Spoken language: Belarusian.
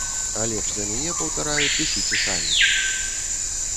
А лепш за мяне, паўтараю, пішыце самі!